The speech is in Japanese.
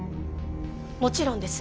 もちろんです。